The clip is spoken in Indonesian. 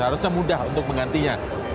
harusnya mudah untuk menggantinya